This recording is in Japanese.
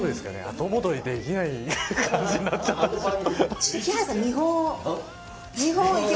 後戻りできない感じになっちゃったら。